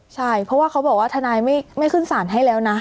ใช่เพราะว่าเขาบอกว่าทนายไม่ขึ้นสารให้แล้วนะ